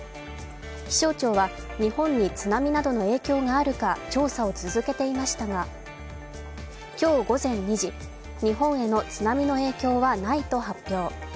気象庁は、日本に津波などの影響があるか調査を続けていましたが今日午前２時、日本への津波の影響はないと発表。